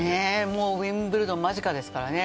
ウィンブルドン間近ですからね。